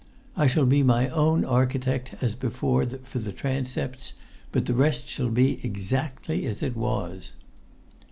I shall be my own architect as before for the transepts, but the rest shall be exactly as it was."